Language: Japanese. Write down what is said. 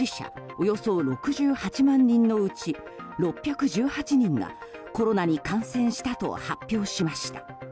およそ６８万人のうち６１８人がコロナに感染したと発表しました。